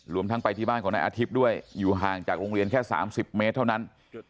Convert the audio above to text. ทั้งไปที่บ้านของนายอาทิตย์ด้วยอยู่ห่างจากโรงเรียนแค่๓๐เมตรเท่านั้น